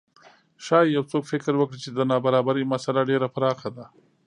ښايي یو څوک فکر وکړي چې د نابرابرۍ مسئله ډېره پراخه ده.